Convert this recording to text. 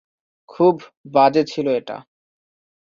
খুব বাজে ছিল এটা।